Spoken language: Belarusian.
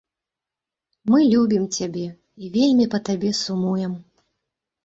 Мы любім цябе і вельмі па табе сумуем.